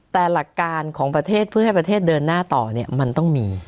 แต่หลักการของประเทศเพื่อให้ประเทศเดินหน้าต่อเนี่ยมันต้องมี